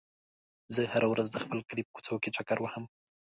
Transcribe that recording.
زه هره ورځ د خپل کلي په کوڅو کې چکر وهم.